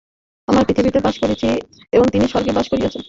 আমরা পৃথিবীতে বাস করিতেছি এবং তিনি স্বর্গে বাস করিতেছেন।